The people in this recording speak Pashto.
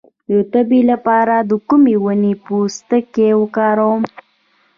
د تبې لپاره د کومې ونې پوستکی وکاروم؟